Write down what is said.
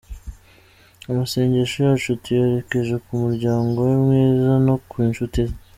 Amasengesho yacu tuyerekeje ku muryango we mwiza no ku nshuti ze.